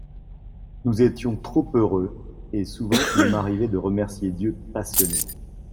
Nous étions trop heureux, et souvent il m'arrivait de remercier Dieu passionnément.